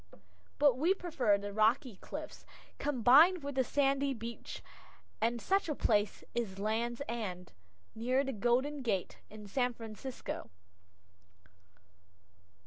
But we prefer the rocky cliffs, combined with the sandy beach, and such a place is Land's End, near the Golden Gate, in San Francisco.